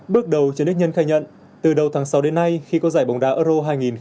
bước đầu trần đức nhân khai nhận từ đầu tháng sáu đến nay khi có giải bóng đá euro hai nghìn hai mươi